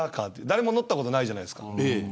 誰も乗ったことないじゃないですか。